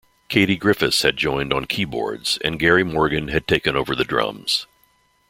Katie Griffiths had joined on keyboards, and Gary Morgan had taken over the drums.